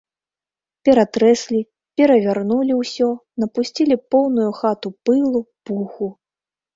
Ператрэслі, перавярнулі ўсё, напусцілі поўную хату пылу, пуху.